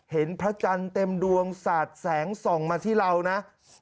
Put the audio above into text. พระจันทร์เต็มดวงสาดแสงส่องมาที่เรานะ